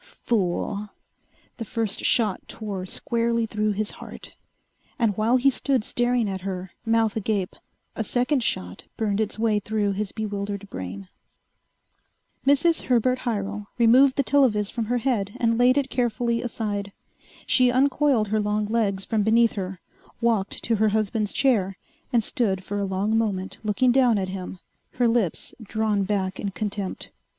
"Fool!" The first shot tore squarely through his heart. And while he stood staring at her, mouth agape, a second shot burned its way through his bewildered brain. Mrs. Herbert Hyrel removed the telovis from her head and laid it carefully aside. She uncoiled her long legs from beneath her, walked to her husband's chair, and stood for a long moment looking down at him, her lips drawn back in contempt.